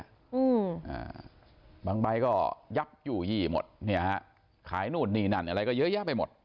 อืมอ่าบางใบก็ยับยู่ยี่หมดเนี่ยฮะขายนู่นนี่นั่นอะไรก็เยอะแยะไปหมด